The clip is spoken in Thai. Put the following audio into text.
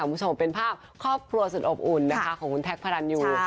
คุณผู้ชมเป็นภาพครอบครัวสุดอบอุ่นนะคะของคุณแท็กพระรันยู